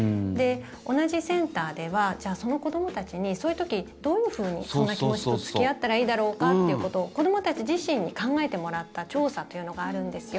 同じセンターではじゃあ、その子どもたちにそういう時どういうふうにそんな気持ちと付き合ったらいいだろうかっていうことを子どもたち自身に考えてもらった調査というのがあるんですよ。